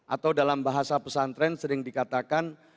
atau dalam bahasa pesantren sering dikatakan